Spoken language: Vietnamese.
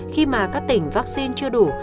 khi mà các tỉnh vaccine chưa đủ